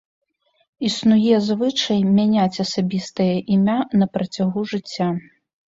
Існуе звычай мяняць асабістае імя на працягу жыцця.